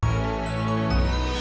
aku banjir aku